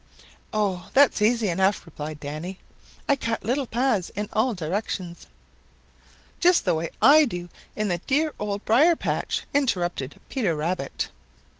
"Oh, that's easy enough," replied Danny. "I cut little paths in all directions." "Just the way I do in the dear Old Briar patch," interrupted Peter Rabbit.